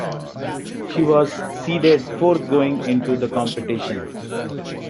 She was seeded fourth going into the competition.